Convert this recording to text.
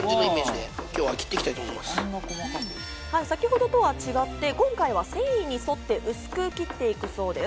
先ほどとは違って今回は繊維に沿って薄く切っていくそうです。